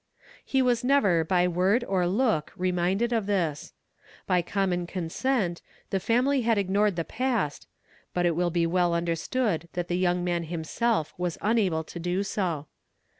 He was never by word or look reminded of this. By common consent, the family had ignored the past, but it will be well understood that the young man himself was unable to do so.